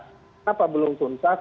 kenapa belum tuntas